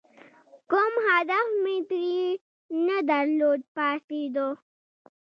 کوم هدف مې ترې نه درلود، پاڅېدو.